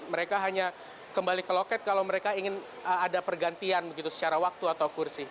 mereka hanya kembali ke loket kalau mereka ingin ada pergantian begitu secara waktu atau kursi